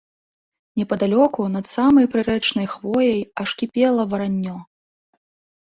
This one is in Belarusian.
Непадалёку, над самай прырэчнай хвояй, аж кіпела вараннё.